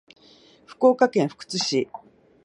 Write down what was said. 福岡県福津市